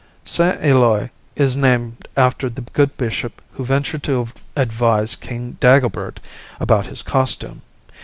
Saint Eloi is named after the good bishop who ventured to advise King Dagobert about his costume.